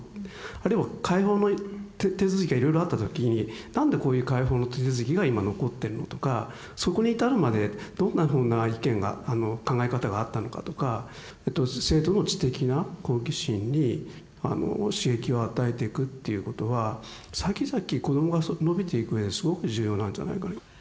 あるいは解法の手続きがいろいろあった時に何でこういう解法の手続きが今残ってるのとかそこに至るまでどんなふうな意見が考え方があったのかとか生徒の知的な好奇心に刺激を与えていくっていうことはさきざき子どもが伸びていくうえですごく重要なんじゃないかな。